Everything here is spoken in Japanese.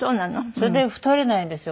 それで太れないんですよ